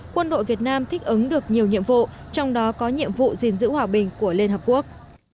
quân đội việt nam thích ứng được nhiều nhiệm vụ trong đó có nhiệm vụ gìn giữ hòa bình của liên hợp quốc